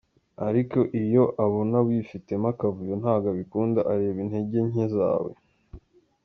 Ariko iyo abona wifitemo akavuyo ntago abikunda, areba intege nke zawe.